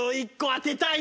当てたい。